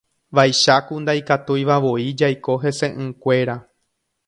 Vaicháku ndaikatuivavoi jaiko hese'ỹkuéra.